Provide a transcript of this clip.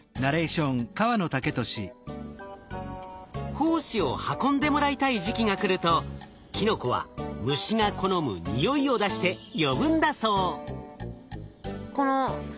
胞子を運んでもらいたい時期が来るとキノコは虫が好む匂いを出して呼ぶんだそう。